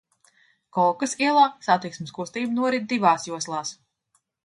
Kolkas ielā satiksmes kustība norit divās joslās.